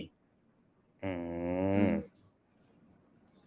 อืม